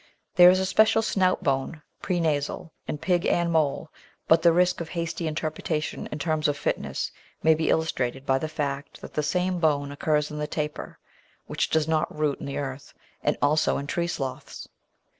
There is a special snout bone (pre nasal) in pig and mole; but the risk of hasty interpretation in terms of fitness may be illustrated by the fact that the same bone occurs in the Tapir, which does not rout in the earth, and also in Tree Sloths!